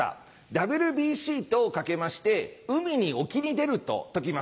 ＷＢＣと掛けまして海におきに出ると解きます。